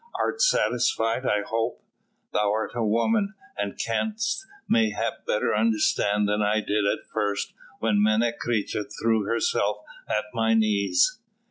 Art satisfied, I hope! Thou art a woman, and canst mayhap better understand than I did at first when Menecreta threw herself at my knees."